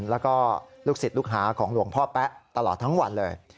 แล้วก็ลูกศิษย์ลูกหาของหลวงพ่อแป๊ะตลอดทั้งวันเลย